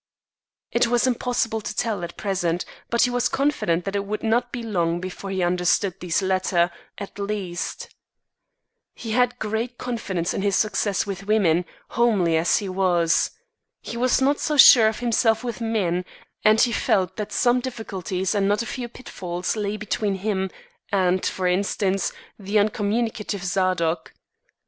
It was impossible to tell, at present; but he was confident that it would not be long before he understood these latter, at least. He had great confidence in his success with women, homely as he was. He was not so sure of himself with men; and he felt that some difficulties and not a few pitfalls lay between him and, for instance, the uncommunicative Zadok.